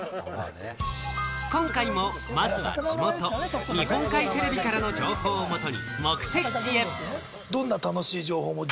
今回もまずは地元・日本海テレビからの情報をもとに目的地へ。